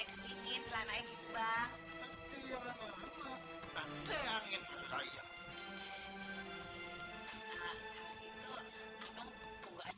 kalau gitu abang buka aja di dalam dulu ya